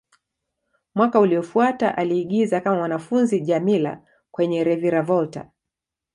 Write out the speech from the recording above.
Mwaka uliofuata, aliigiza kama mwanafunzi Djamila kwenye "Reviravolta".